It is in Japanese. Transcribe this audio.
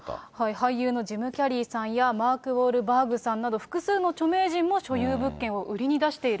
俳優のジム・キャリーさんやマーク・ウォールバーグさんなど、複数の俳優が所有物件を売りに出している。